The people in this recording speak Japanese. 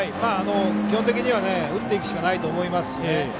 基本的には打っていくしかないと思いますしね。